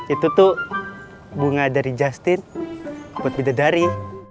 itu tuh bunga dari justin buat bidadari